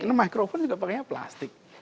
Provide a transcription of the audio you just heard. ini microfon juga pakainya plastik